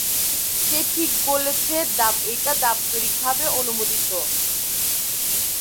সে ঠিক বলেছে, এটা দাপ্তরিক ভাবে অনুমোদিত।